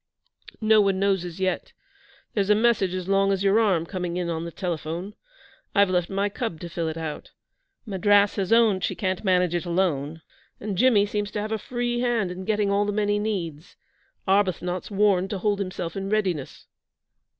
'No one knows as yet. There's a message as long as your arm coming in on the telephone. I've left my cub to fill it out. Madras has owned she can't manage it alone, and Jimmy seems to have a free hand in getting all the men he needs. Arbuthnot's warned to hold himself in readiness.'